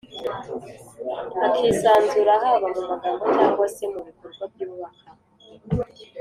akisanzura, haba mu magambo cyangwa se mu bikorwa byubaka.